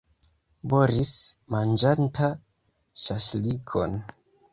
Boris, manĝanta ŝaŝlikon.